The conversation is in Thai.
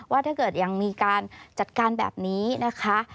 ว่าถ้าเกิดยังมีการจัดการแบบนี้นะคะ